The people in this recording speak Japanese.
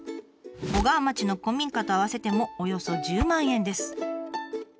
小川町の古民家と合わせてもおよそ１０万円です。